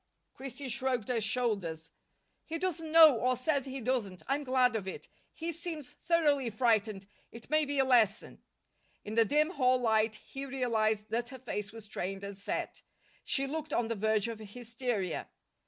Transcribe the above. Christine shrugged her shoulders. "He doesn't know, or says he doesn't. I'm glad of it. He seems thoroughly frightened. It may be a lesson." In the dim hall light he realized that her face was strained and set. She looked on the verge of hysteria.